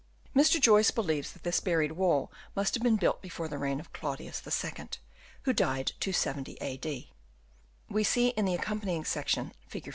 Mr. Joyce believes that this buried wall must have been built before the reign of Claudius II., who died 270 a.d. We see in the accom panying section, Fig.